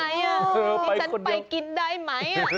ทำอย่างไรฉันไปกินได้ไหม